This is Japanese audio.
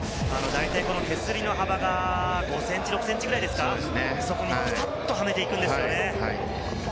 大体、この手すりの幅が５ｃｍ、６ｃｍぐらいですか、そこもぴたっとはめていきますよね。